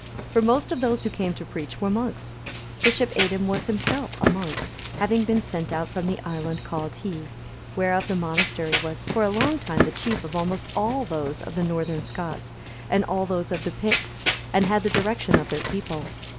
For most of those who came to preach were monks. Bishop Aidan was himself a monk, having been sent out from the island called Hii,(299) whereof the monastery was for a long time the chief of almost all those of the northern Scots,(300) and all those of the Picts, and had the direction of their people.